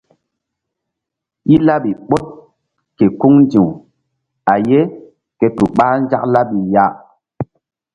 I laɓi ɓoɗ ke kuŋ ndi̧w a ye ke tu ɓah nzak laɓi ya.